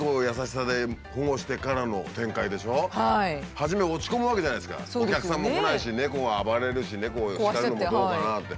初め落ち込むわけじゃないですかお客さんも来ないし猫が暴れるし猫を叱るのもどうかな？って。